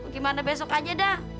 gimana besok aja dah